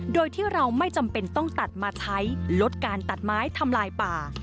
โดยที่เราไม่จำเป็นต้องตัดมาใช้ลดการตัดไม้ทำลายป่า